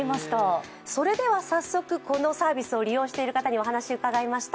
それでは早速、このサービスを利用している方にお話を伺いました。